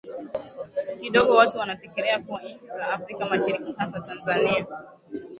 kidogo watu wanafikiria kwa nchi za afrika mashariki hasa tanzania